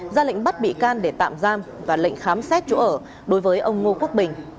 ra lệnh bắt bị can để tạm giam và lệnh khám xét chỗ ở đối với ông ngô quốc bình